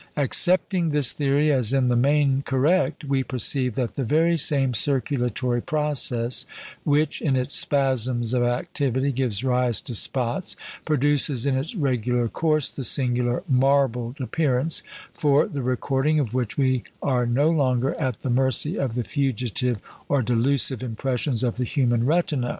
Accepting this theory as in the main correct, we perceive that the very same circulatory process which, in its spasms of activity, gives rise to spots, produces in its regular course the singular "marbled" appearance, for the recording of which we are no longer at the mercy of the fugitive or delusive impressions of the human retina.